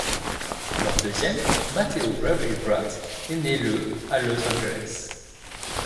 Leur deuxième, Mateo Bravery Bratt est né le à Los Angeles.